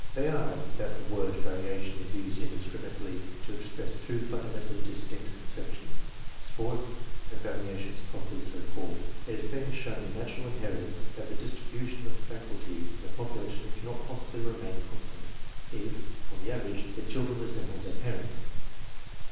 They are, that the word variation is used indiscriminately to express two fundamentally distinct conceptions : ^sports, and^yariations properly so called. It has been shown in Natural Inheritance that the distribution of faculties in a population cannot possibly remain con stant, if, on the average, the children resemble their parents.